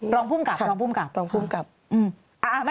รองพุ่มกรรม